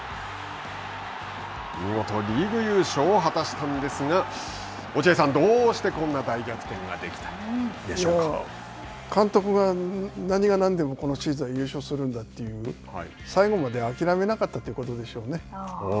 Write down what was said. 見事リーグ優勝を果たしたんですが、落合さん、どうしてこんな監督が何が何でもこのシーズンは優勝するんだという、最後まで諦めなかったということでしょうね。